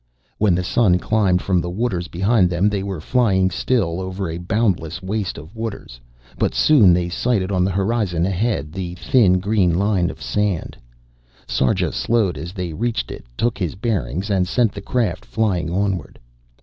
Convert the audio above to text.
When the sun climbed from the waters behind them they were flying still over a boundless waste of waters, but soon they sighted on the horizon ahead the thin green line of land. Sarja slowed as they reached it, took his bearings, and sent the craft flying onward.